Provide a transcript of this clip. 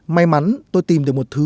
may mắn tôi tìm được một thứ